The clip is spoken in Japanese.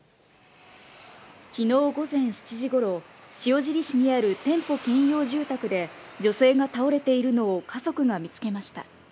きのう午前７時ごろ、塩尻市にある店舗兼用住宅で、女性が倒れているのを家族が見つけました。